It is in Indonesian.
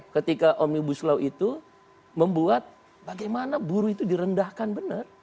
ketika omnibus law itu membuat bagaimana buruh itu direndahkan benar